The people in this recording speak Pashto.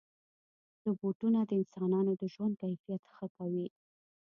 روبوټونه د انسانانو د ژوند کیفیت ښه کوي.